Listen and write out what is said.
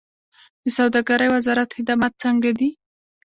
د سوداګرۍ وزارت خدمات څنګه دي؟